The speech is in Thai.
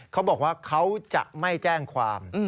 เขาบอกว่าเขาจะไม่แจ้งความ